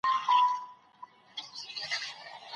منظم چاپیریال د کار لپاره ښه دی.